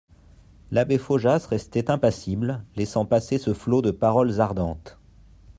L'abbé Faujas restait impassible, laissant passer ce flot de paroles ardentes.